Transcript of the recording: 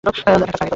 আগের কাজ আগে।